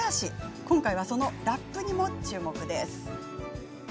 今回はそのラップにも注目です。